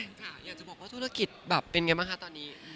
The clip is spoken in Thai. อยากจะบอกว่าธุรกิจแบบเป็นยังไงบ้างคะตอนนี้